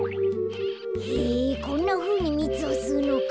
へぇこんなふうにみつをすうのか。